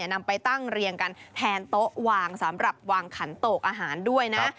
นำไปตั้งเรียงกันแทนโต๊ะวางสำหรับวางขันโตกอาหารด้วยนะ